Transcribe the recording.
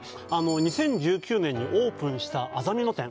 ２０１９年にオープンしたあざみ野店